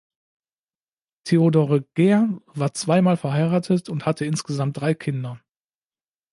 Theodore Geer war zweimal verheiratet und hatte insgesamt drei Kinder.